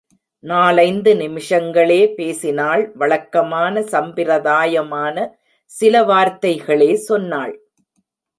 நாலைந்து நிமிஷங்களே பேசினாள் வழக்கமான, சம்பிரதாயமான, சில வார்த்தைகளே சொன்னாள்.